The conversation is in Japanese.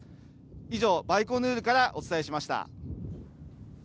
以上、バイコヌールからお伝えしました。